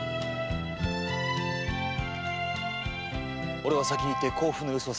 俺は先に行って甲府の様子を探る。